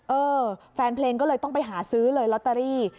เออแฟนเพลงก็เลยต้องไปหาซื้อเลยลอตเตอรี่